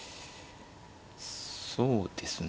そうですね